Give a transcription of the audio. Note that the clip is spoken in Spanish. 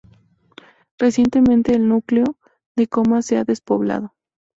Recientemente, el núcleo de Coma se ha despoblado.